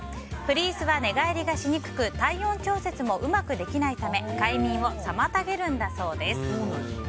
フリースは寝返りがしにくく体温調節もうまくできないため快眠を妨げるんだそうです。